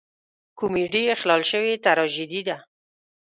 کمیډي اخلال شوې تراژیدي ده.